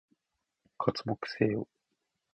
刮目せよ！